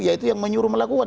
yaitu yang menyuruh melakukan